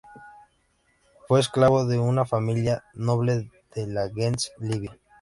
Fue esclavo de una familia noble de la gens Livia.